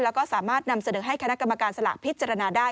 แล้วก็สามารถนำเสนอให้คณะกรรมการสลากพิจารณาได้